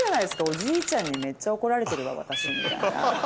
おじいちゃんにめっちゃ怒られてるわ私みたいな。